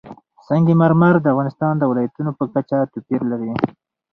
سنگ مرمر د افغانستان د ولایاتو په کچه توپیر لري.